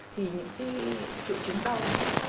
thì những triệu chứng đau